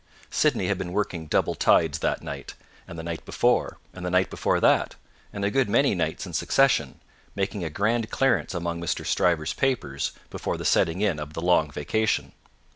Sydney had been working double tides that night, and the night before, and the night before that, and a good many nights in succession, making a grand clearance among Mr. Stryver's papers before the setting in of the long vacation.